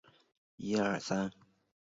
首府为德累斯顿。